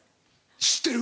知ってる。